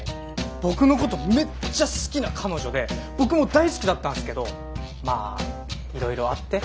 僕のことめっちゃ好きな彼女で僕も大好きだったんですけどまあいろいろあって。